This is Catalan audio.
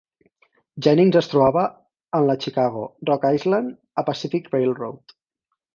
Jennings es trobava en la Chicago, Rock Island and Pacific Railroad.